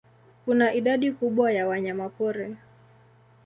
Kuna idadi kubwa ya wanyamapori.